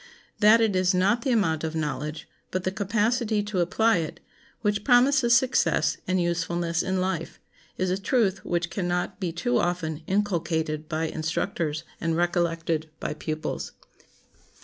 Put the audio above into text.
That it is not the amount of knowledge, but the capacity to apply it, which promises success and usefulness in life, is a truth which can not be too often inculcated by instructors and recollected by pupils.